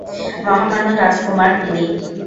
মহামান্য রাজকুমার ফিলিপ।